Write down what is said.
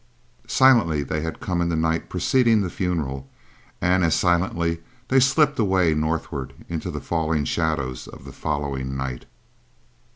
Silently they had come in the night preceding the funeral, and as silently, they slipped away northward into the falling shadows of the following night.